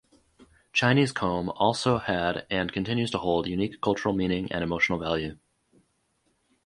Chinese comb also had and continues to hold unique cultural meaning and emotional value.